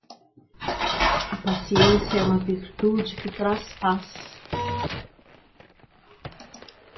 A paciência é uma virtude que traz paz.